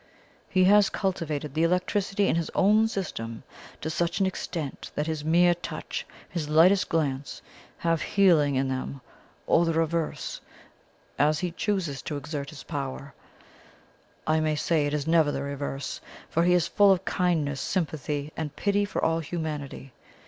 He has cultivated the electricity in his own system to such an extent that his mere touch, his lightest glance, have healing in them, or the reverse, as he chooses to exert his power I may say it is never the reverse, for he is full of kindness, sympathy, and pity for all humanity.